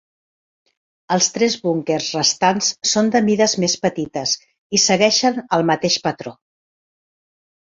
Els tres búnquers restants són de mides més petites i segueixen el mateix patró.